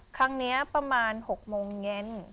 ครั้งนี้ประมาณ๖โมงเย็น